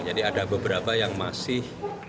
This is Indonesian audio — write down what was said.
jadi ada beberapa yang masih